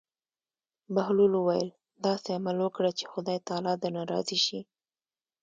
بهلول وویل: داسې عمل وکړه چې خدای تعالی درنه راضي شي.